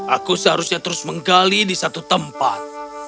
aku seharusnya terus menggali di satu tempat